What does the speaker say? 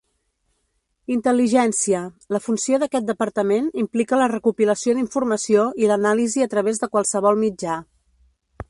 Intel·ligència: la funció d'aquest departament implica la recopilació d'informació i l'anàlisi a través de qualsevol mitjà.